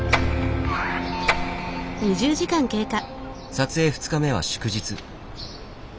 撮影２日目は祝日。